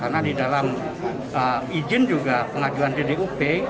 karena di dalam izin juga pengajuan t d u p